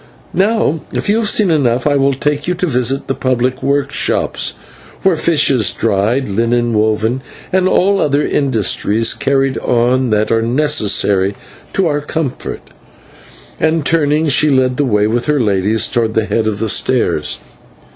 Now, if you have seen enough, I will take you to visit the public workshops where fish is dried, linen woven, and all other industries carried on that are necessary to our comfort" and, turning, she led the way with her ladies towards the head of the stairs.